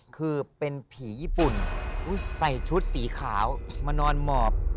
คือเป็นผีญี่ปุ่นใส่ชุดสีขาวมานอนหมอบ